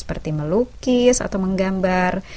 seperti melukis atau menggambar